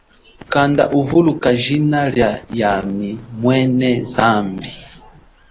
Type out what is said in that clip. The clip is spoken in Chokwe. Kanda uvuluka jina lia yami mwene zambi.